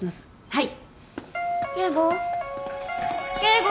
はい。